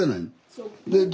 そう。